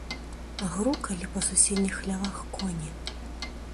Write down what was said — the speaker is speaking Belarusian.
Грукалі па суседніх хлявах коні.